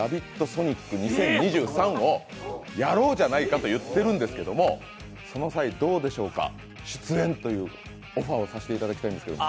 ソニック２０２３をやろうじゃないかといってるんですけどその際、どうでしょうか、出演というオファーをさせていただきたいんですけど。